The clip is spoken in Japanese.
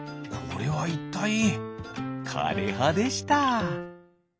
これはいったいかれはでした。